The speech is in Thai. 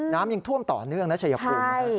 น้ำยังท่วมต่อเนื่องนะชัยภูมิ